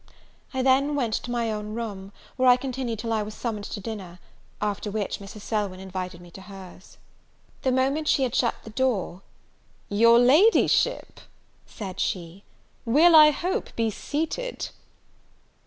I then went to my own room, where I continued till I was summoned to dinner; after which, Mrs. Selwyn invited me to hers. The moment she had shut the door, "Your Ladyship'" said she, "will, I hope, be seated."